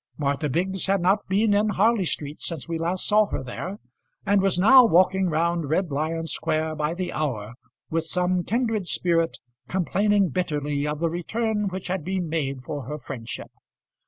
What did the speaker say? Martha Biggs had not been in Harley Street since we last saw her there, and was now walking round Red Lion Square by the hour with some kindred spirit, complaining bitterly of the return which had been made for her friendship.